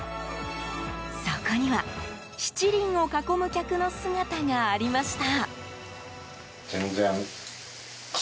そこには七輪を囲む客の姿がありました。